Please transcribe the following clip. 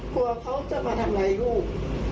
กลัวเขาจะมาทำร้ายลูก